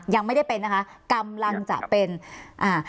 ยังไม่ได้เป็นนะคะกำลังจะเป็นอ่า